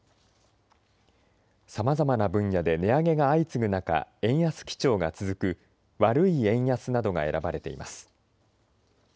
さまざまな分野で値上げが相次ぐ中、円安基調が続く悪い円安などが選ばれています。